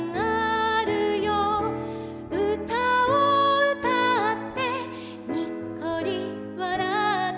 「うたをうたってにっこりわらって」